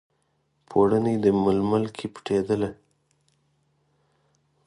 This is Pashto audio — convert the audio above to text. پوړني، د ململ کې پټیدله